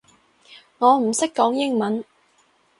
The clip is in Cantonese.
我唔識講英文